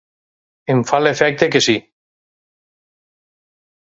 Em fa l’efecte que sí.